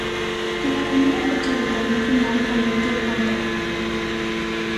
En la primera fecha del Torneo Final convirtió contra.